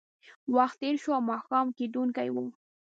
وخت تېر شو او ماښام کېدونکی و